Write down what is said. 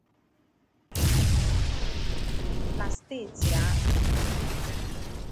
na steeti ahụ